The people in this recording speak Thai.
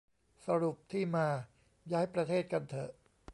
สรุปที่มา ย้ายประเทศกันเถอะ